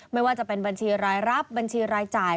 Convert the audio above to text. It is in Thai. ไม่ว่าจะเป็นบัญชีรายรับบัญชีรายจ่าย